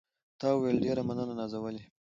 تا وویل: ډېره مننه نازولې.